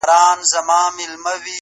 • ه ياره د څراغ د مــړه كولو پــه نـيت ـ